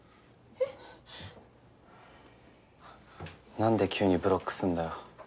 なんで急にブロックすんだよ？